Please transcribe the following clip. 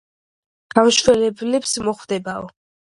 გამშველებელს მოხვდებაო.